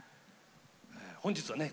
本日はね